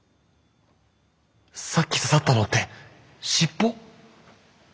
さっき刺さったのって尻尾？